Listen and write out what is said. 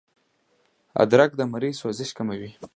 ادرک د مرۍ سوزش کموي